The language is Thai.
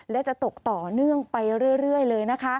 และจะตกต่อเนื่องไปเรื่อยเลยนะคะ